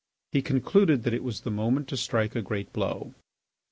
He concluded that it was the moment to strike a great blow.